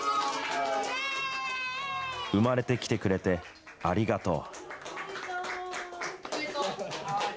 生まれてきてくれてありがとう。